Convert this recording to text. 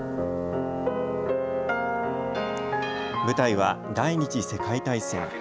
舞台は第２次世界大戦。